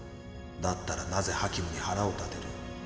だったらなぜハキムに腹を立てる？